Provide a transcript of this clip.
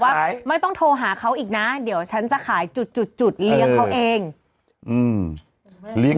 บอกว่าไม่ต้องโทรหาเขาอีกนะเดี๋ยวฉันจะขายจุดเลี้ยงเขาเอง